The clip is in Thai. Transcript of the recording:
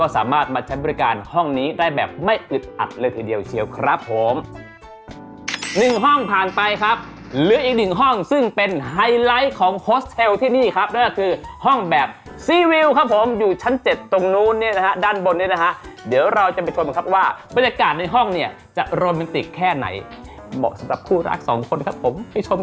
สามารถมาใช้บริการห้องนี้ได้แบบไม่อึดอัดเลยทีเดียวเชียวครับผมหนึ่งห้องผ่านไปครับเหลืออีกหนึ่งห้องซึ่งเป็นไฮไลท์ของโฮสเทลที่นี่ครับนั่นก็คือห้องแบบซีวิวครับผมอยู่ชั้นเจ็ดตรงนู้นเนี่ยนะฮะด้านบนเนี่ยนะฮะเดี๋ยวเราจะไปชมกันครับว่าบรรยากาศในห้องเนี่ยจะโรแมนติกแค่ไหนเหมาะสำหรับคู่รักสองคนครับผม